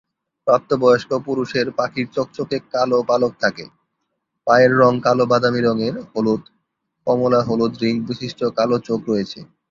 প্রাপ্তবয়স্ক পুরুষের পাখির চকচকে কালো পালক থাকে, পায়ের রং কালো-বাদামী রঙের, হলুদ, কমলা-হলুদ রিং বিশিষ্ট্য কাল চোখ রয়েছে।